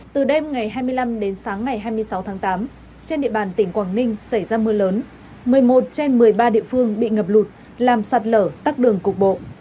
từ đêm ngày hai mươi năm đến sáng ngày hai mươi sáu tháng tám trên địa bàn tỉnh quảng ninh xảy ra mưa lớn một mươi một trên một mươi ba địa phương bị ngập lụt làm sạt lở tắt đường cục bộ